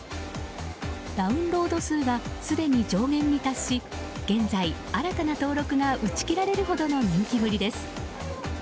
ダウンロード数がすでに上限に達し現在、新たな登録が打ち切られるほどの人気です。